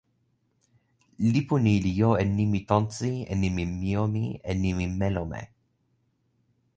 lipu ni li jo e nimi tonsi e nimi mijomi e nimi melome.